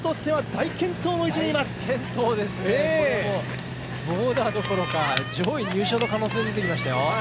大健闘ですね、これはボーダーどころか上位入賞の可能性も出てきましたよ。